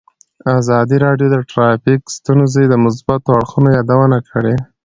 ازادي راډیو د ټرافیکي ستونزې د مثبتو اړخونو یادونه کړې.